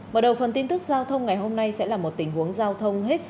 mở đầu phần tin tức giao thông ngày hôm nay sẽ là một tình huống giao thông